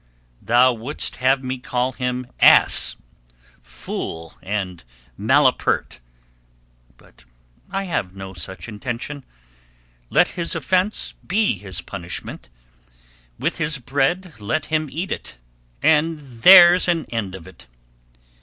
Thou wouldst have me call him ass, fool, and malapert, but I have no such intention; let his offence be his punishment, with his bread let him eat it, and there's an end of it.